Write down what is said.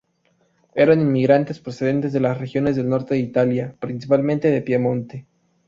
Eran inmigrantes procedentes de las regiones del norte de Italia, principalmente de Piamonte.